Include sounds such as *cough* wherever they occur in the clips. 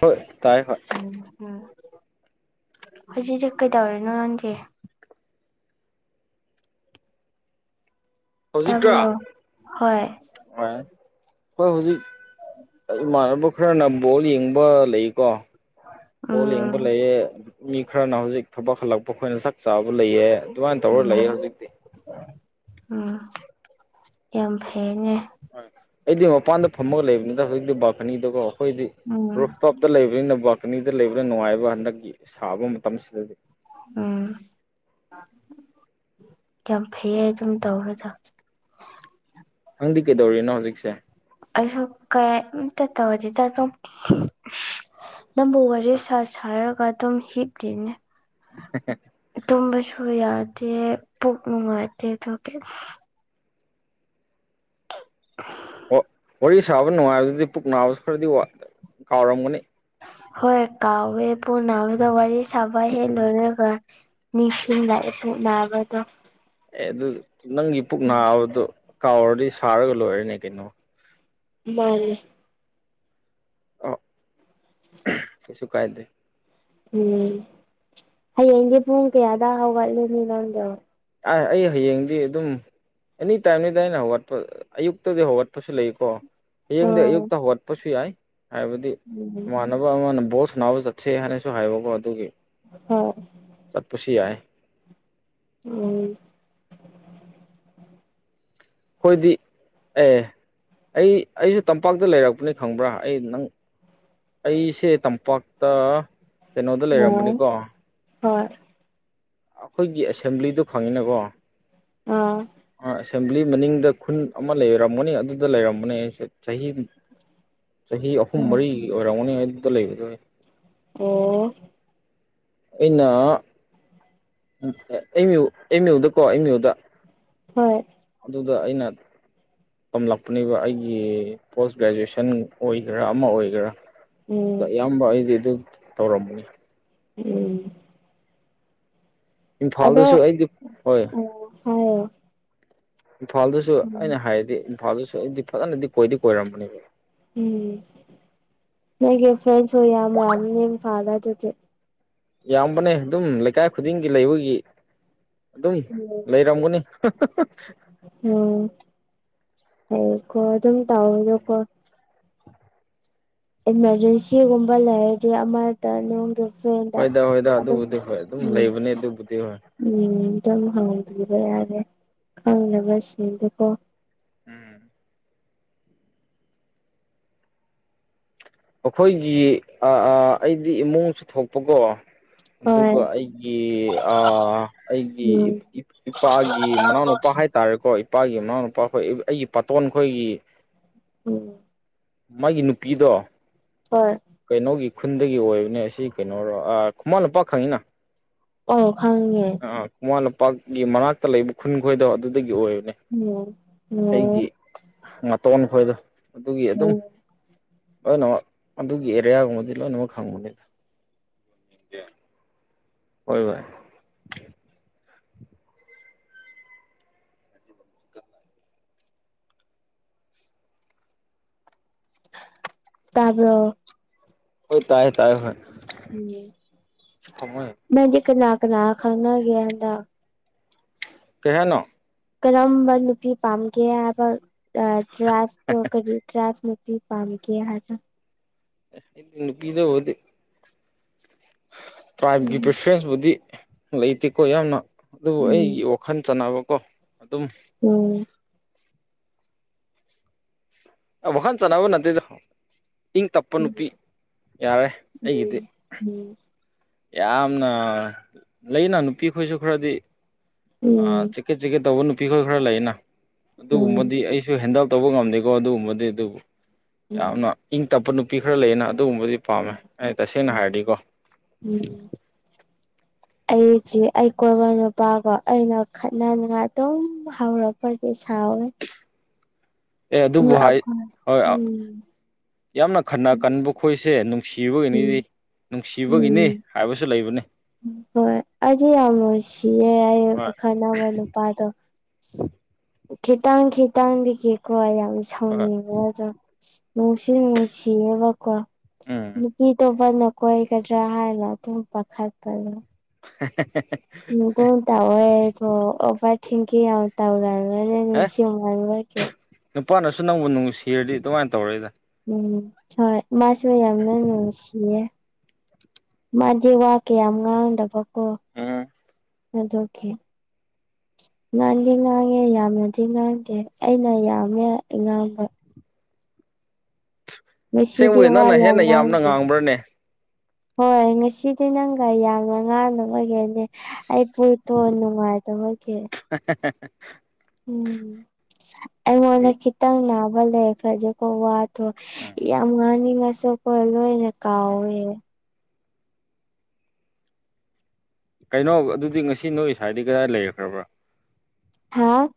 ꯍꯣꯏ ꯇꯥꯏ ꯍꯣꯏ ꯍꯧꯖꯤꯛꯖꯤꯛ ꯀꯩꯗꯧꯔꯤꯅꯣ ꯅꯪꯗꯤ ꯇꯥꯕ꯭ꯔꯣ ꯍꯧꯖꯤꯛꯔ‌ꯣ ꯍꯣꯏ ꯈ‌ꯣꯏ ꯍꯧꯖꯤꯛ ꯏꯃꯥꯟꯅꯕ ꯈꯔꯅ ꯕꯣꯜ ꯌꯦꯡꯕ ꯂꯩꯀꯣ ꯕꯣꯜ ꯎꯝ ꯌꯦꯡꯕ ꯂꯩꯑꯦ ꯃꯤ ꯈꯔꯅ ꯍꯧꯖꯤꯛ ꯊꯕꯛ ꯍꯜꯂꯛꯄ ꯑꯩꯈꯣꯏꯅ ꯆꯥꯛ ꯆꯥꯕ ꯂꯩꯌ‌ꯦ ꯎꯝ ꯎꯝ ꯌꯥꯝ ꯐꯩꯅꯦ ꯍꯣꯏ ꯑꯩꯗꯤ ꯃꯄꯥꯟꯗ ꯐꯝꯃꯒ ꯂꯩꯕꯅꯤꯗ ꯍꯧꯖꯤꯛꯇꯤ ꯕꯥꯜꯀꯅꯤꯗꯀꯣ ꯑꯩꯈꯣꯏꯗꯤ ꯎꯝ ꯔꯨꯐꯇꯣꯞ ꯗ ꯂꯩꯕꯅꯤꯅ ꯕꯥꯜꯀꯅꯤꯗ ꯂꯩꯕꯅ ꯅꯨꯡꯉꯥꯏꯕ ꯍꯟꯗꯛꯀꯤ ꯁꯥꯕ ꯃꯇꯝꯁꯤꯗꯗꯤ ꯎꯝ ꯌꯥꯝ ꯐꯩꯌ‌ꯦ ꯑꯗꯨꯝ ꯇꯧꯔꯗ ꯅꯪꯗꯤ ꯀꯩꯗꯧꯔꯤꯅꯣ ꯍꯧꯖꯤꯛꯁꯦ ꯑꯩꯁꯨ ꯀꯩ ꯑꯝꯇ ꯇꯧꯗ‌ꯦꯗ ꯗꯨꯝ ꯅꯪꯕꯨ ꯋꯥꯔꯤ ꯁꯥ ꯁꯥꯔꯒ ꯑꯗꯨꯝ ꯍꯤꯞꯂꯤꯅꯦ *unintelligible* ꯇꯨꯝꯕꯁꯨ ꯌꯥꯗꯦ ꯄꯨꯛ ꯅꯨꯡꯉꯥꯏꯇꯦ ꯑꯗꯨꯒꯤ ꯋꯥ ꯋꯥꯔꯤ ꯁꯥꯕ ꯅꯨꯡꯉꯥꯏꯕꯗꯨꯗꯤ ꯄꯨꯛ ꯅꯥꯕꯁꯨ ꯈꯔꯗꯤ ꯋꯥ ꯀꯥꯎꯔꯝꯒꯅꯤ ꯍꯣꯏ ꯀꯥꯎꯋꯦ ꯄꯨꯨꯛ ꯅꯥꯕꯗ‌ꯣ ꯋꯥꯔꯤ ꯁꯥꯕ ꯍꯦꯛ ꯂꯣꯏꯔꯒ ꯅꯤꯡꯁꯤꯡꯂꯛꯑꯦ ꯄꯨꯛ ꯅꯥꯕꯗꯣ ꯑꯦ ꯑꯗꯨ ꯅꯪꯒꯤ ꯄꯨꯛ ꯎꯝ ꯅꯥꯕꯗꯣ ꯀꯥꯎꯔꯗꯤ ꯁꯥꯔꯒ ꯂꯣꯏꯔ‌ꯦꯅꯦ ꯀꯩꯅꯣ ꯃꯥꯅꯦ ꯑ ꯀꯩꯁꯨ ꯀꯥꯏꯗꯦ ꯎꯝ ꯍꯌꯦꯡꯗꯤ ꯄꯨꯡ ꯀꯌꯥꯗ ꯍꯧꯒꯠꯂꯅꯤ ꯅꯪꯗꯣ ꯑ ꯑꯩ ꯍꯌꯦꯡꯗꯤ ꯑꯗꯨꯝ ꯑꯦꯅꯤ ꯇꯥꯏꯝꯅꯤꯗ ꯑꯩꯅ ꯍꯧꯒꯠꯄ ꯑꯌꯨꯛꯇꯗꯤ ꯍꯧꯒꯠꯄꯁꯨ ꯂꯩꯀꯣ ꯍꯌꯦꯡꯗꯤ ꯑꯣ ꯑꯌꯨꯛꯇ ꯍꯧꯒꯠꯄꯁꯨ ꯌꯥꯏ ꯍꯥꯏꯕꯗꯤ ꯏꯃꯥꯟꯅꯕ ꯕ ꯑꯃꯅ ꯕꯣꯜ ꯁꯥꯟꯅꯕ ꯆꯠꯁꯦ ꯍꯥꯏꯅꯁꯨ ꯍꯥꯏꯕꯀꯣ ꯑꯗꯨꯒꯤ *unintelligible* ꯆꯠꯄꯁꯨ ꯌꯥꯏ ꯎꯝ ꯑꯩꯈꯣꯏꯗꯤ ꯑꯦ ꯑꯩ ꯑꯩꯁꯨ ꯇꯝꯄꯥꯛꯇ ꯂꯩꯔꯛꯄꯅꯤ ꯈꯪꯕ꯭ꯔꯥ ꯑꯩ ꯅꯪ ꯑꯩꯁꯦ ꯇꯝꯄꯥꯛꯇ ꯀꯩꯅꯣꯗ ꯂꯩꯔꯝꯕꯅꯤꯀꯣ ꯍꯣꯏ ꯑꯩꯈꯣꯏꯒꯤ ꯑꯦꯁꯦꯝꯕ꯭ꯂꯤꯗꯨ ꯈꯪꯉꯤꯅꯀꯣ ꯑꯥ ꯑꯦꯁꯦꯝꯕ꯭ꯂꯤ ꯃꯅꯤꯡꯗ ꯈꯨꯟ ꯑꯃ ꯂꯩꯔꯝꯒꯅꯤ ꯑꯗꯨꯗ ꯂꯩꯔꯝꯕꯅꯦ ꯑꯩꯁ‌ꯦ ꯆꯍꯤ ꯆꯍꯤ ꯑꯍꯨꯝ ꯃꯔꯤ ꯑꯣꯏꯔꯝꯒꯅꯤ ꯑꯗꯨꯗ ꯂꯩꯕꯗꯣ ꯑꯣ ꯑꯩꯅ ꯑ ꯑꯦꯝ ꯌꯨ ꯑꯦꯝꯌꯨꯗꯀꯣ ꯑꯦꯝ ꯌꯨꯗ ꯍꯣꯏ ꯑꯗꯨꯗ ꯑꯩꯅ ꯇꯝꯂꯛꯄꯅꯦꯕ ꯑꯩꯒꯤ ꯄꯣꯁ ꯒ꯭ꯔꯦꯖꯨꯏꯁꯟ ꯑꯣꯏꯒꯦꯔꯥ ꯑꯃ ꯑꯣꯏꯒꯦꯔꯥ ꯑꯗ ꯑꯌꯥꯝꯕ ꯑꯩꯗꯤ ꯑꯗꯨ ꯇꯧꯔꯝꯕꯅꯤ ꯎꯝ ꯑꯗꯣ ꯏꯝꯐꯥꯜꯗꯁꯨ ꯑꯩꯗꯤ ꯍꯣꯏ ꯑꯣ ꯍꯥꯏ ꯏꯝꯐꯥꯜꯗꯁꯨ ꯑꯩꯅ ꯍꯥꯏꯔꯗꯤ ꯏꯝꯐꯥꯜꯗꯁꯨ ꯑꯩꯗꯤ ꯐꯖꯅꯗꯤ ꯀꯣꯏꯗꯤ ꯀꯣꯏꯔꯝꯕꯅꯦꯕ ꯎꯝ ꯐ꯭ꯔꯦꯟ ꯌꯥ ꯃ ꯐꯥꯗꯔꯦ ꯌꯥꯝꯕꯅꯦ ꯑꯗꯨꯝ ꯂꯩꯀꯥꯏ ꯈꯨꯗꯤꯡꯒꯤ ꯂꯩꯕꯒꯤ ꯑꯗꯨꯝ ꯎꯝ ꯂꯩꯔꯝꯒꯅꯤ *inaudible* ꯎꯝ ꯑꯩꯀꯣ ꯑꯗꯨꯝ ꯇꯥꯎꯑꯣꯌꯣꯀꯣ ꯏꯃꯥꯔꯖꯦꯟꯁꯤꯒꯨꯝꯕ ꯂꯩꯔꯗꯤ ꯑꯃꯗ ꯅꯒꯤ ꯍꯣꯏꯗ ꯍꯣꯏꯗ ꯑꯗꯨꯕꯨꯗꯤ ꯍꯣꯏ ꯑꯗꯨꯝ ꯎꯝ ꯂꯩꯕꯅꯤ ꯑꯗꯨꯕꯨꯗꯤ ꯍꯣꯏ ꯎꯝ ꯑꯗꯨꯝ ꯍꯥꯡꯕꯤꯕ ꯌꯥꯔꯦ ꯈꯪꯅꯕꯁꯤꯡꯗꯨꯀꯣ ꯎꯝ ꯑꯩꯈꯣꯏꯒꯤ ꯑꯩꯗꯤ ꯏꯃꯨꯡꯁꯨ ꯊꯣꯛꯄꯀꯣ ꯍꯣꯏ ꯑꯗꯨꯒ ꯑꯩꯒꯤ ꯑꯩꯒꯤ ꯎꯝ ꯏꯄꯥꯒꯤ ꯃꯅꯥꯎꯅꯨꯄꯥ ꯍꯥꯏꯔꯦ ꯇꯥꯔꯦꯀꯣ ꯏꯄꯥꯒꯤ ꯃꯃꯥꯅꯨꯄꯥ ꯑꯩꯈꯣꯏ ꯑꯩꯒꯤ ꯄꯥꯇꯣꯟ ꯈꯣꯏꯒꯤ ꯎꯝ ꯃꯥꯒꯤ ꯅꯨꯄꯤꯗꯣ ꯍꯣꯏ ꯀꯩꯅꯣꯒꯤ ꯈꯨꯟꯗꯒꯤ ꯑꯣꯏꯕꯅꯦ ꯑꯁꯤ ꯀꯩꯅꯣꯔꯣ ꯈꯨꯃꯥ ꯅꯨꯄꯥ ꯈꯪꯉꯤꯅ ꯑꯣ ꯈꯪꯉꯦ ꯑꯥ ꯈꯨꯃꯥ ꯂꯝꯄꯥꯛꯀꯤ ꯃꯅꯥꯛꯇ ꯂꯩꯕ ꯈꯨꯟ ꯈꯣꯏꯗꯣ ꯑꯗꯨꯗꯒꯤ ꯑꯣꯏꯕꯅꯦ ꯎꯝ ꯎꯝ ꯑꯩꯒꯤ ꯉꯥꯇꯣꯟ ꯈꯣꯏꯗ ꯑꯗꯨꯒꯤ ꯑꯗꯨꯝ ꯎꯝ ꯂꯣꯏꯅꯃꯛ ꯑꯗꯨꯒꯤ ꯑꯦꯔꯤꯌꯥꯒꯨꯝꯕꯗꯤ ꯂꯣꯏꯅꯃꯛ ꯈꯪꯕꯅꯤꯗ ꯍꯣꯏ ꯍꯣꯏ ꯇꯥꯕꯔꯣ ꯍꯣꯏ ꯇꯥꯏꯌꯦ ꯇꯥꯏꯌꯦ ꯍꯣꯏ ꯅꯪꯗꯤ ꯀꯅꯥꯀꯅꯥ ꯈꯪꯅꯒꯦ ꯍꯟꯗꯛ ꯀꯩꯍꯥꯏꯅꯣ ꯀꯔꯝꯕ ꯅꯨꯄꯤ ꯄꯥꯝꯒꯦ ꯍꯥꯏꯕ ꯀꯂꯥꯁꯇꯣ ꯀꯔꯤ ꯀꯂ꯭ꯥꯁ ꯅꯨꯄꯤ ꯄꯝ ꯀꯦ ꯍꯥꯏꯕ ꯑꯩꯗꯤ ꯅꯨꯄꯤꯅ ꯎꯔꯗꯤ ꯇ꯭ꯔꯥꯏꯕꯀꯤ ꯎꯝ ꯄ꯭ꯔꯦꯇꯤꯁꯕꯨꯗꯤ ꯂꯩꯇꯦꯀꯣ ꯌꯥꯝꯅ ꯑꯗꯨꯕꯨ ꯑꯩꯒꯤ ꯎꯝ ꯋꯥ ꯋꯥꯈꯜ ꯆꯥꯟꯅꯕꯀꯣ ꯑꯗꯨꯝ ꯎꯝ ꯋꯥꯈꯜ ꯆꯥꯟꯅꯕ ꯅꯠꯇꯦꯗ ꯏꯪ ꯇꯞꯄ ꯎꯝ ꯅꯨꯄꯤ ꯌꯥꯔꯦ ꯑꯩꯒꯤꯗꯤ ꯎꯝ ꯌꯥꯝꯅ ꯂꯩꯅ ꯅꯨꯄꯤ ꯈꯣꯏꯁꯨ ꯈꯔꯗꯤ ꯆꯤꯀꯦꯠ ꯆꯤꯀꯦꯠ ꯇꯧꯕ ꯅꯨꯄꯤ ꯈꯣꯏ ꯈꯔ ꯂꯩꯌꯦꯅ ꯎꯝ ꯑꯗꯨꯒꯨꯝꯕꯗꯤ ꯑꯩ ꯁꯨ ꯍꯦꯟꯗꯜ ꯇꯧꯕ ꯉꯝꯗꯦꯀꯣ ꯑꯗꯨꯒꯨꯝꯕꯗꯤ ꯑꯗꯨꯕꯨ ꯌꯥꯝꯅ ꯎꯝ ꯏꯪ ꯇꯞꯄ ꯅꯨꯄꯤ ꯈꯔ ꯂꯩꯌꯦꯅ ꯑꯗꯨꯒꯨꯝꯕꯗꯤ ꯄꯥꯝꯃꯦ ꯎꯝ ꯑꯩ ꯇꯁꯦꯡꯅ ꯍꯥꯏꯔꯗꯤꯀꯣ *inaudible* ꯑꯩꯁꯤ ꯑꯩ ꯀꯣꯏꯅ ꯅꯨꯄꯥꯒꯥ ꯑꯩꯅ ꯈꯠꯅꯅꯤꯡꯉꯥꯏ ꯑꯗꯨꯝ ꯍꯧꯔꯛ ꯑꯩꯈꯣꯏꯗꯤ ꯁꯥꯎꯋꯦ ꯑꯦ ꯎꯝ ꯑꯗꯨꯕꯨ ꯍꯥꯏ ꯍꯣꯏ ꯎꯝ ꯌꯥꯝꯅ ꯈꯟꯅ ꯀꯟꯕ ꯈꯣꯏꯁꯦ ꯅꯨꯡꯁꯤꯕꯒꯤꯅꯤꯗꯤ ꯅꯨꯡꯁꯤꯕꯒꯤꯅꯤ ꯎꯝ ꯍꯥꯏꯕꯁꯨ ꯂꯩꯕꯅꯤ ꯍꯣꯏ ꯑꯩꯗꯤ ꯌꯥꯝ ꯅꯨꯡꯁꯤꯌꯦ ꯑꯩ ꯉꯣꯟꯈ ꯍꯣꯏ ꯈꯟꯅꯕ ꯅꯨꯄꯗ ꯪ ꯈꯤꯇꯥꯡ ꯈꯤꯇꯥꯡꯗꯤ ꯀꯤꯀꯣ ꯌꯥꯝ ꯍꯣꯏ ꯁꯥꯎꯅꯤꯡꯕ ꯑꯗ ꯅꯨꯡꯁꯨ ꯅꯨꯡꯁꯤꯌꯦꯕꯀꯣ ꯎꯝ ꯅꯨꯄꯤ ꯇꯨ ꯅꯥꯪꯅ ꯀꯣꯏꯒꯗ꯭ꯔꯥ ꯍꯥꯏꯅ ꯑꯗꯨꯝ ꯄꯥꯈꯠꯄꯗ *unintelligible* ꯇ ꯇꯋꯥꯏꯦ ꯑꯣ ꯊꯤꯡꯀꯤ ꯇ ꯂꯜꯦ ꯑꯦ *unintelligible* ꯅꯨꯄꯥꯅꯁꯨ ꯅꯪꯕꯨ ꯅꯨꯡ ꯁꯤꯔꯗꯤ ꯑꯗꯨꯃꯥꯏꯅ ꯇꯧꯔꯣꯏꯗ ꯎꯝ ꯍꯣꯏ ꯃꯥꯁꯨ ꯌꯥꯝꯅꯅꯨꯡꯁꯤꯌꯦ ꯃꯥꯗꯤ ꯋꯥ ꯀꯌꯥ ꯉꯥꯡꯗꯕꯀꯣ ꯑꯗꯨꯀꯤ ꯉꯥꯡꯗ ꯉꯥꯡꯉꯦ ꯌꯥꯝꯅꯗꯤ ꯉꯥꯡꯗꯦ ꯑꯩꯅ ꯌꯥꯝꯃꯦ ꯉꯥꯡꯕ ꯉꯁꯤꯗꯤ ꯁꯦꯡꯕꯒꯤꯦ ꯋꯥ ꯅꯪꯅ ꯌꯥꯝ ꯍꯦꯟꯅ ꯌꯥꯝꯅ ꯉꯥꯡꯗꯦ ꯉꯥꯡꯕ꯭ꯔꯅꯦ ꯍꯣꯏ ꯉꯁꯤꯗꯤ ꯅꯪꯒ ꯌꯥꯝꯅ ꯉꯥꯅ ꯑꯣꯏꯒꯦꯅꯦ ꯑꯩ ꯄꯣꯠꯇꯣ ꯅꯨꯡꯉꯥꯏꯇꯕꯒꯤ ꯍ *unintelligible* ꯎꯝ ꯑꯩꯑꯣꯟꯗꯥ ꯈꯤꯇꯪ ꯅꯥꯕ ꯂꯩꯈꯔ꯭ꯦ ꯗꯤ ꯀꯣ ꯋꯥ ꯗꯣ ꯌꯥꯝ ꯉꯥꯡꯅꯤꯡꯉꯥꯁꯨ ꯂꯣꯏꯅꯥ ꯀꯥꯎꯏ ꯀꯩꯅꯣ ꯑꯗꯨꯗꯤ ꯉꯁꯤ ꯅꯣꯏ ꯁꯥꯏꯗꯤ ꯀꯗꯥꯏ ꯂꯩꯈ꯭ꯔꯕ꯭ꯔꯥ ꯍꯥꯥ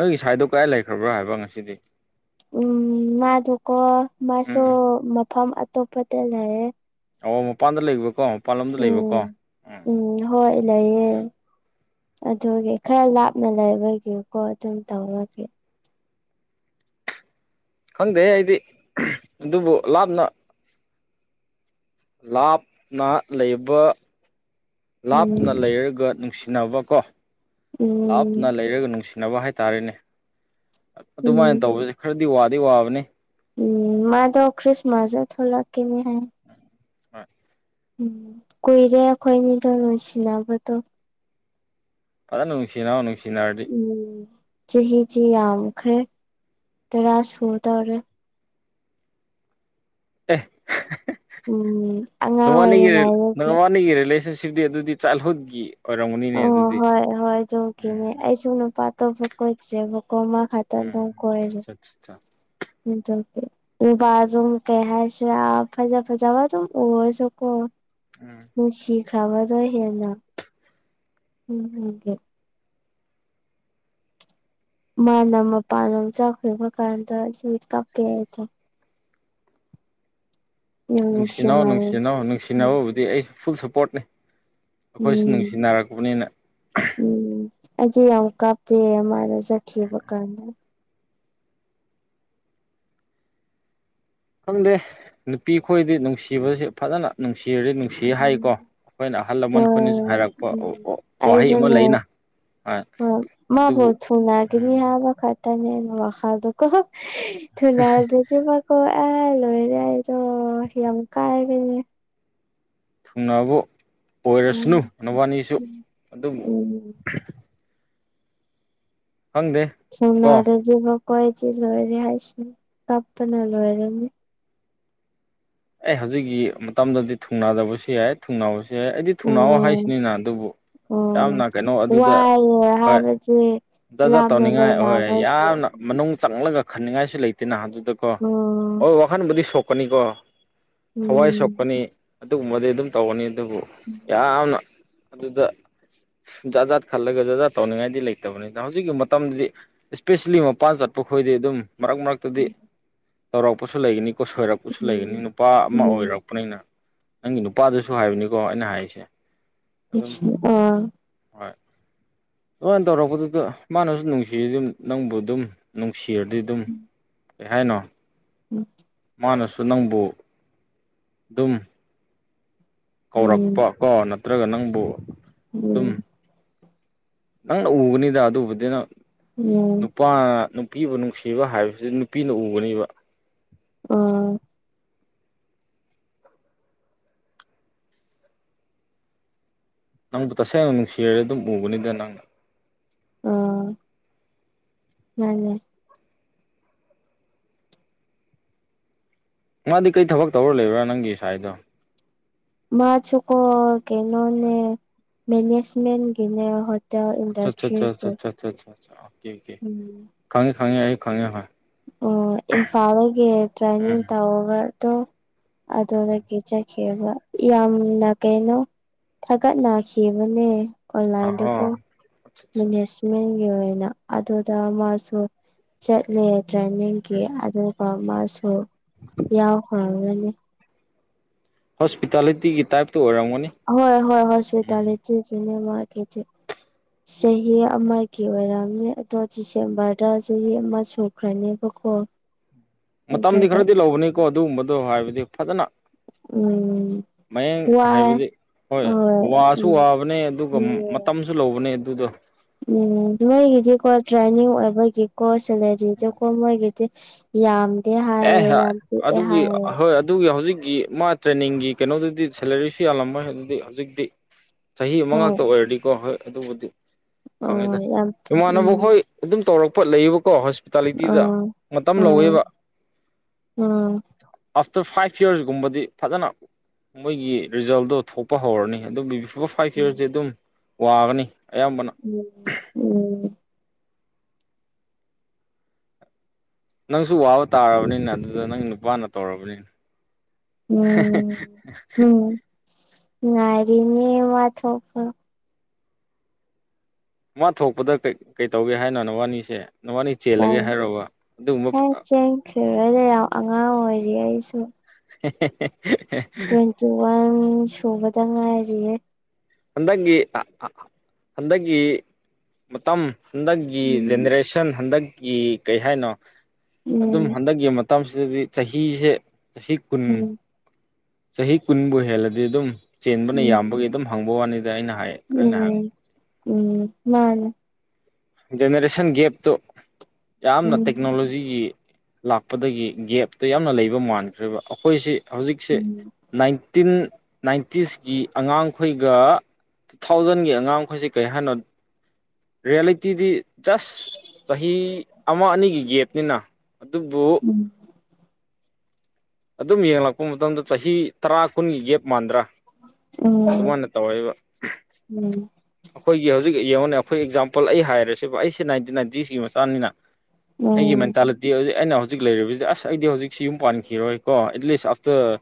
ꯅꯣꯏꯒꯤ ꯁꯥꯏꯗꯣ ꯀꯗꯥꯥꯏ ꯂꯩꯈ꯭ꯔꯕ꯭ꯔꯥ ꯍꯥꯏꯕ ꯉꯁꯤꯗꯤ ꯎꯝ ꯃꯥꯗꯨꯀꯣ ꯃꯥꯁꯨ ꯃꯐꯝ ꯑꯇꯣꯞꯄꯗ ꯂꯩꯌꯦ ꯑꯣ ꯃꯄꯥꯟꯗ ꯂꯩꯕꯀꯣ ꯃꯄꯥꯟꯂꯣꯝꯗ ꯂꯩꯕꯀꯣ ꯎꯝ ꯎꯝ ꯍꯣꯏ ꯂꯩꯌꯦ ꯑꯗꯨꯒꯤ ꯈꯔ ꯂꯥꯞꯅ ꯂꯩꯕꯒꯤꯀꯣ ꯑꯗꯨꯝ ꯇꯧꯔꯒꯦ ꯈꯪꯗꯦ ꯑꯩꯗꯤ ꯑꯗꯨꯕꯨ ꯂꯥꯞꯅ ꯂꯥꯞꯅ ꯂꯩꯕ ꯎꯝ ꯂꯥꯞꯅ ꯂꯩꯔꯒ ꯅꯨꯡꯁꯤꯅꯕ ꯂꯥꯞꯅ ꯎꯝ ꯂꯩꯔꯒ ꯅꯨꯡꯁꯤꯅꯕ ꯍꯥꯏꯇꯥꯔꯦꯅꯦ ꯎꯝ ꯑꯗꯨꯃꯥꯏꯅ ꯇꯧꯕꯁꯦ ꯈꯔꯗꯤ ꯋꯥꯗꯤ ꯋꯥꯕꯅꯤ ꯎꯝ ꯃꯥꯗꯣ ꯆ꯭ꯔꯤꯁꯃꯥꯁꯇ ꯊꯣꯛꯂꯛꯀꯅꯤ ꯍꯥꯏ ꯍꯣꯏ ꯎꯝ ꯀꯨꯏꯔꯦ ꯑꯩꯈꯣꯏꯅꯤꯗꯣ ꯅꯨꯡꯁꯤꯅꯕꯗꯣ ꯐ ꯅꯨꯡꯁꯤꯅꯣ ꯅꯨꯡꯁꯤꯅꯔꯗꯤ ꯎꯝ ꯆꯍꯤꯁꯤ ꯌꯥꯝꯈ꯭ꯔꯦ ꯇꯔꯥ ꯁꯨ ꯇꯧꯔꯦ ꯑꯦ ꯎꯝ ꯑꯉꯥꯡ ꯅꯨꯕꯥꯅꯤꯒꯤ ꯑꯣꯏꯔꯤꯉꯩꯗꯒꯤ ꯅꯨꯕꯥꯅꯤꯒꯤ ꯔꯤꯂꯦꯁꯟꯁꯤꯞꯇꯤ ꯑꯗꯨꯗꯤ ꯆꯠꯍꯧꯒꯤ ꯑꯣ ꯍꯣꯏ ꯍꯣꯏ ꯇꯨꯀꯤꯅꯦ ꯎꯝ ꯑꯩꯁꯨꯨꯝ ꯅꯨꯄꯥ ꯑꯇꯣꯞꯄꯥ ꯀꯣꯏꯗꯦꯕꯥꯀꯣ ꯃꯥ ꯈꯛꯇꯥ ꯑꯗꯨꯝ ꯎꯝ ꯀꯣꯏꯔꯁꯨ ꯑꯆꯥ ꯑꯆꯥ ꯅꯨꯄꯁꯨ ꯀꯩ ꯍꯥꯏꯁꯤꯔ ꯐꯖꯥ-ꯐꯖꯥ ꯑꯗꯨꯝ ꯎꯔꯁꯨ ꯀꯣ ꯎꯝ ꯅꯨꯡꯁꯤꯈ꯭ꯔꯕꯗꯣ ꯍꯦꯟꯅ *inaudible* ꯃꯥꯅ ꯃꯄꯥꯟ ꯂꯝ ꯑꯃ ꯆꯈ꯭ꯔꯕ ꯀꯥꯟꯗ ꯁꯨꯏꯠ ꯀꯥꯞꯄꯦ ꯍꯥꯏꯗ ꯌꯥꯝ ꯅꯨꯡꯁꯤꯅꯧ ꯅꯨꯡꯁꯤꯃꯜ ꯅꯨꯡꯁꯤꯅꯧ ꯎꯝ ꯅꯨꯡꯁꯤꯅꯕꯕꯨꯗꯤ ꯑꯩꯁꯨ ꯐꯨꯜ ꯁꯞꯄꯣꯔꯠꯅꯤ ꯑꯩꯈꯣꯏꯁꯨ ꯎꯝ ꯅꯨꯡꯁꯤꯅꯔꯛꯄꯅꯤꯅ ꯎꯝ ꯑꯩꯗꯤ ꯌꯥꯝ ꯀꯞꯄꯦ ꯃꯥꯅ ꯆꯕ ꯀꯥꯟꯗ ꯈꯪꯗꯦ ꯅꯨꯄꯤ ꯈꯣꯏꯗꯤ ꯅꯨꯡꯁꯤꯕꯁꯤ ꯐꯖꯅ ꯅꯨꯡꯁꯤꯔꯨꯔꯥꯅꯤ ꯁꯤ ꯍꯥꯏꯀꯣ ꯎꯝ ꯑꯩꯈꯣꯏꯅ ꯑꯍꯜ ꯂꯃꯟ ꯈꯈꯅꯁꯨ ꯍꯣꯏ ꯍꯥꯏꯔꯛꯄ ꯎꯝ ꯋꯥꯍꯩ ꯑꯩꯁꯨꯅꯦ ꯑꯃ ꯂꯩꯅ ꯃꯥꯕꯨ ꯑꯗꯨꯕꯨ ꯊꯨ ꯂꯥꯛꯀꯅꯤ ꯍꯥꯏꯕꯈꯛ *unintelligible* ꯑꯣ ꯑꯦ ꯂꯣꯏꯔ ꯑꯩꯗꯣ ꯌꯥꯝ ꯀꯥꯥꯏꯕꯅꯦ ꯊꯨꯡꯅꯕ ꯑꯣꯏꯔꯁꯅꯨ ꯎꯝ ꯅꯕꯥꯅꯤꯁꯨ ꯑꯗꯨꯕꯨ ꯎꯝ ꯈꯪꯗꯦ ꯀꯣ ꯁꯣꯃꯗꯗꯤꯕꯀꯣ ꯑꯩꯗꯤ ꯂꯣꯏꯔꯦ ꯍꯥꯏꯁꯤꯅꯤ ꯀꯞꯄꯅ ꯂꯣꯏꯔꯅꯤ ꯑꯦ ꯍꯧꯖꯤꯛꯀꯤ ꯃꯇꯝꯗꯗꯤ ꯊꯨꯡꯅ ꯍꯜꯂꯛꯄꯁꯨ ꯌꯥꯏ ꯊꯨꯡꯅꯕꯁꯨ ꯌꯥꯏ ꯑꯩꯗꯤ ꯊꯨꯡꯅꯥꯎꯑꯣ ꯍꯥꯏꯁꯤꯅꯤꯅ ꯑꯗꯨꯅꯕꯨ ꯑꯣ ꯋꯥꯏ ꯍꯥꯏꯕꯁꯦ ꯖꯠ-ꯖꯠ ꯂꯥꯞꯅ ꯇꯧꯅꯤꯡꯉꯥꯏ ꯍꯣꯏ ꯂꯩꯅꯕꯒꯤ ꯌꯥꯝꯅ ꯃꯅꯨꯡ ꯆꯪꯂꯒ ꯈꯟꯅꯤꯡꯉꯥꯏꯁꯨ ꯂꯩꯇꯦꯅ ꯑꯗꯨꯗꯀꯣ ꯎꯝ ꯍꯣꯏ ꯋꯥꯈꯟꯕꯨꯗꯤ ꯁꯣꯛꯀꯅꯤꯀꯣ ꯊꯋꯥꯏ ꯎꯝ ꯁꯣꯛꯀꯅꯤ ꯑꯗꯨꯒꯨꯝꯕꯗꯤ ꯑꯗꯨꯝ ꯇꯧꯒꯅꯤ ꯑꯗꯨꯕꯨ ꯎꯝ ꯌꯥꯝꯅ ꯑꯗꯨꯗ ꯖꯥꯠ ꯖꯥꯠ ꯈꯜꯂꯒ ꯖꯥꯠꯖꯥꯠ ꯇꯧꯅꯤꯡꯉꯥꯏꯗꯤ ꯂꯩꯇꯦ ꯂꯩꯇꯕꯅꯤꯅ ꯍꯧꯖꯤꯛꯀꯤ ꯃꯇꯝꯗꯗꯤ ꯏꯁꯄꯦꯁꯦꯜꯂꯤ ꯃꯄꯥꯟ ꯆꯠꯄ ꯈꯣꯏꯗꯤ ꯑꯗꯨꯝ ꯃꯔꯛ ꯃꯔꯛꯇꯗꯤ ꯇꯧꯔꯛꯄꯁꯨ ꯂꯩꯒꯅꯤꯀꯣ ꯁꯣꯏꯔꯛꯄ ꯁꯨ ꯂꯩꯒꯅꯤ ꯅꯨꯄꯥ ꯑꯃ ꯎꯝ ꯑꯣꯏꯔꯛꯄꯅꯤꯅ ꯅꯪꯒꯤ ꯅꯨꯄꯥꯗꯁꯨ ꯍꯥꯏꯕꯅꯤꯀꯣ ꯑꯩꯅ ꯍꯥꯏꯁꯦ ꯑꯣ ꯍꯣꯏ ꯑꯗꯨꯃꯥꯏꯅ ꯇꯧꯔꯛꯄꯗꯨꯗ ꯃꯥꯅꯁꯨ ꯅꯨꯡꯁꯤꯔꯤ ꯑꯗꯨꯝ ꯅꯪꯕꯨ ꯑꯗꯨꯝ ꯅꯨꯡꯁꯤꯔꯗꯤ ꯑꯗꯨꯝ ꯀꯩꯍꯥꯏꯅꯣ ꯎꯝ ꯃꯥꯅꯁꯨ ꯅꯪꯕꯨ ꯑꯗꯨꯝ ꯀꯧꯔꯛꯄ ꯀꯣ ꯅꯠꯇ꯭ꯔꯒ ꯅꯪꯕꯨ ꯎꯝ ꯅꯛꯅꯥ ꯎꯕꯅꯤꯗ ꯑꯗꯨꯕꯨꯗ ꯅꯪ ꯎꯝ ꯅꯨꯄꯥꯅ ꯅꯨꯄꯤꯕꯨ ꯅꯨꯡꯁꯤꯕ ꯍꯥꯏꯕꯁꯤ ꯅꯨꯄꯤꯅ ꯎꯒꯅꯦꯕ ꯑꯣ ꯅꯪꯕꯨ ꯇꯁꯦꯡꯅ ꯅꯨꯡꯁꯤꯔ ꯑꯗꯨꯝ ꯎꯕꯅꯤꯗ ꯅꯪ ꯑꯣ ꯃꯅꯦ ꯅꯍꯥꯟꯗꯩ ꯀꯩ ꯊꯕꯛ ꯇꯧꯔ ꯂꯩꯕ꯭ꯔꯥ ꯅꯪꯒꯤ ꯁꯥꯏꯗꯣ ꯃꯥ ꯆꯀꯣ ꯀꯦꯅꯣ ꯃꯦꯅꯦꯖꯃꯦ ꯒꯤꯅꯦ ꯑꯆꯥ ꯑꯣ ꯑꯣꯦ ꯎꯝ ꯈꯪꯉ ꯈꯪꯉ ꯑꯩ ꯈꯉꯦ ꯑꯣ ꯏꯝꯐꯥꯜꯗꯒꯤ ꯇ꯭ꯔꯦꯟꯅꯤꯡ ꯎꯝ ꯇꯧꯕꯗꯣ ꯑꯗꯨꯗꯒꯤ ꯌꯥꯝꯅ ꯀꯩꯅꯣ ꯊꯥꯒꯠꯅꯈꯤꯕꯅꯦ ꯑꯍꯣ ꯑꯣꯟꯂꯥꯏꯟꯗꯀꯣ ꯑꯆꯥ ꯆꯥ ꯃꯦꯅꯦꯖꯃꯦꯟꯒꯤ ꯑꯣꯏꯅ ꯑꯗꯨꯗ ꯃꯥꯁꯨ ꯆꯠꯂꯦ ꯇ꯭ꯔꯦꯅꯤꯡ ꯎꯝ ꯑꯗꯨꯒ ꯃꯥꯁꯨ ꯌꯥꯎꯈ꯭ꯔꯔꯅꯤ ꯍꯣꯁꯄꯤꯇꯥꯂꯤꯇꯤꯒꯤ ꯇꯥꯏꯞꯇ ꯑꯣꯏꯔꯝꯒꯅꯤ ꯍꯣꯏ-ꯍꯣꯏ *unintelligible* ꯎꯝ ꯆꯍꯤ ꯑꯃꯒꯤ ꯑꯣꯏꯔꯝꯃꯦ ꯑꯗꯣ ꯗꯤꯁꯦꯝꯕꯔꯗ ꯆꯍꯤ ꯑꯃ ꯁꯨꯈ꯭ꯔꯅꯦꯕꯀꯣ *inaudible* ꯃꯇꯝꯗꯤ ꯑꯗꯨꯗ ꯈꯔꯗꯤ ꯂꯧꯕꯅꯤꯀꯣ ꯑꯗꯨꯒꯨꯝꯕꯗꯣ ꯍꯥꯏꯕꯗꯤ ꯐꯖꯅ ꯎꯝ ꯃꯌꯦꯡ ꯋꯥꯏ ꯍꯥꯏꯕꯗꯤ ꯍꯣꯏ ꯋꯥꯁꯨ ꯋꯥꯕꯅꯦ ꯑꯗꯨꯒ ꯎꯝ ꯃꯇꯝꯁꯨ ꯂꯧꯕꯅꯦ ꯑꯗꯨꯗꯣ ꯎꯝ ꯃꯣꯏꯒꯤꯗꯤꯀꯣ ꯇ꯭ꯔꯦꯟꯅꯤꯡ ꯑꯣꯏꯕꯒꯤꯀꯣ ꯁꯦꯂꯔꯤꯗꯀꯣ ꯃꯣꯏꯒꯤꯗꯤ ꯌꯥꯝꯗꯦ ꯍꯥꯏ ꯑꯦ ꯑꯗꯨꯒꯤ ꯍꯣꯏ ꯑꯗꯨꯒꯤ ꯍꯧꯖꯤꯛꯀꯤ ꯃꯥ ꯇ꯭ꯔꯦꯅꯤꯡꯒꯤ ꯀꯩꯅꯣꯗꯨꯗꯤ ꯁꯦꯂꯔꯤꯁꯨ ꯌꯥꯝꯜꯂꯝꯃꯣꯏ ꯑꯗꯨꯗꯤ ꯍꯧꯖꯤꯛꯇꯤ ꯆꯍꯤ ꯑꯃ ꯑꯣ ꯉꯥꯛꯇ ꯑꯣꯏꯔꯗꯤꯀꯣ ꯍꯣꯏ ꯑꯗꯨꯕꯨꯗꯤ ꯈꯪꯉꯤꯗ ꯑꯣ ꯌꯥꯝ ꯎꯝ ꯏꯃꯥꯟꯅꯕꯈꯣꯏ ꯑꯗꯨꯝ ꯇꯧꯔꯛꯄ ꯂꯩꯌꯦꯕꯀꯣ ꯑ ꯍꯣꯁꯄꯤꯇꯥꯂꯤꯇꯤꯗ ꯃꯇꯝ ꯂꯧꯋꯦꯕ ꯎꯝ ꯑꯥꯐꯇꯔ ꯐꯥꯏꯚ ꯌꯌꯥꯔꯁꯀꯨꯝꯕꯗꯤ ꯐꯖꯅ ꯃꯣꯏꯒꯤ ꯔꯤꯖꯜꯗꯣ ꯊꯣꯛꯄ ꯍꯧꯔꯅꯤ ꯑꯗꯨꯒꯤ ꯐ ꯐꯥꯏ ꯐꯤꯔꯁꯦ ꯑꯗꯨꯝ ꯋꯥꯒꯅꯤ ꯑꯌꯥꯝꯕꯅ ꯎꯝ ꯎꯝ ꯅꯪꯁꯨ ꯋꯥꯕ ꯇꯥꯔꯕꯅꯤꯅ ꯑꯗꯨꯗ ꯅꯪ ꯅꯨꯄꯥꯅ ꯇꯧꯔꯕꯅꯤꯅ ꯎꯝ ꯎꯝ ꯉꯔꯤꯅꯤ ꯋꯥꯊ ꯃꯥ ꯊꯣꯛꯄꯗꯩ ꯀꯩ ꯇꯧꯒꯦ ꯍꯥꯏꯅꯣ ꯅꯋꯥꯅꯤꯁꯦ ꯅꯋꯥꯅꯤ ꯆꯦꯜꯂꯒꯦ ꯍꯥꯏꯔꯔꯕ ꯑꯗꯨꯒꯨꯝꯕ ꯊꯤꯔꯣꯏꯗ ꯌꯥꯝ ꯑꯉꯥꯡ ꯑꯣꯏꯔꯤ ꯑꯩꯁꯨ *inaudible* ꯇ꯭ꯋꯦꯟꯇꯤ ꯋꯥꯟ ꯁꯨꯕꯗ ꯉꯥꯏꯔꯤꯌꯦ ꯍꯟꯗꯛꯀꯤ ꯍꯟꯗꯛꯀꯤ ꯃꯇꯝ ꯍꯟꯗꯛꯀꯤ ꯎꯝ ꯖꯦꯅꯦꯔꯦꯁꯟ ꯍꯟꯗꯛꯀꯤ ꯀꯩ ꯍꯥꯏꯅꯣ ꯑꯗꯨꯝ ꯎꯝ ꯍꯟꯗꯛꯀꯤ ꯃꯇꯝꯁꯤꯗꯗꯤ ꯆꯍꯤꯁꯦ ꯆꯍꯤ ꯀꯨꯟ ꯎꯝ ꯆꯍꯤ ꯀꯨꯟꯕꯨ ꯍꯦꯜꯂꯗꯤ ꯑꯗꯨꯝ ꯆꯦꯟꯕꯅ ꯌꯥꯝꯕꯒꯤ ꯑꯗꯨꯝ ꯍꯪꯕ ꯋꯥꯅꯤꯗ ꯑꯩꯅ ꯍꯥꯏ ꯑꯩꯅ ꯍꯪ ꯎꯝ ꯎꯝ ꯃꯥꯅꯦ ꯖꯦꯅꯦꯔꯦꯁꯟ ꯒꯦꯞꯇꯨ ꯌꯥꯝꯅ ꯎꯝ ꯇꯦꯛꯅꯣꯂꯣꯖꯤꯒꯤ ꯂꯥꯛꯄꯗꯒꯤ ꯒꯦꯞꯇ ꯌꯥꯝꯅ ꯂꯩꯕ ꯃꯥꯟꯈ꯭ꯔꯦꯕ ꯑꯩꯈꯣꯏꯁꯤ ꯍꯧꯖꯤꯛꯁꯦ ꯎꯝ ꯅꯥꯏꯟꯇꯤꯟ ꯅꯥꯏꯟꯇꯤꯁꯀꯤ ꯑꯉꯥꯡꯈꯣꯏꯒ ꯇꯨ ꯊꯥꯎꯖꯟꯒꯤ ꯑꯉꯥꯡꯈꯣꯏꯁꯤ ꯀꯔꯤ ꯍꯥꯏꯅꯣ ꯔꯤꯌꯦꯂꯤꯇꯤꯗꯤ ꯖꯁ ꯆꯍꯤ ꯑꯃ ꯑꯅꯤꯒꯤ ꯒꯦꯞꯅꯤꯅ ꯑꯗꯨꯕꯨ ꯎꯝ ꯑꯗꯨꯝ ꯌꯦꯡꯂꯛꯄ ꯃꯇꯝꯗ ꯆꯍꯤ ꯇꯔꯥ ꯀꯨꯟꯒꯤ ꯒꯦꯞ ꯃꯥꯟꯗ꯭ꯔꯥ ꯎꯝ ꯑꯗꯨꯃꯥꯏꯅ ꯇꯧꯋꯦꯕ ꯎꯝ ꯑꯩꯈꯣꯏꯒꯤ ꯍꯧꯖꯤꯛ ꯌꯦꯡꯉꯣꯅꯦ ꯑꯩꯈꯣꯏ ꯑꯦꯛꯖꯥꯝꯄꯜ ꯑꯩ ꯍꯥꯏꯔꯁꯤ ꯑꯩꯁꯦ ꯅꯥꯏꯟꯇꯤ ꯅꯥꯏꯟꯇꯀꯤ ꯃꯆꯥꯅꯤꯅ ꯑꯩ ꯎꯝ ꯃꯅꯦ ꯇꯂ *unintelligible* ꯑꯩꯅ ꯍꯧꯖꯤꯛ ꯂꯩꯔꯤꯕꯁꯤꯗꯤ ꯑꯁ ꯑꯩꯗꯤ ꯍꯧꯖꯤꯛꯁꯤ ꯌꯨꯝ ꯄꯥꯟꯈꯤꯔꯣꯏ ꯀꯣ ꯑꯦꯠꯂꯤꯁ ꯑꯥꯐꯇꯔ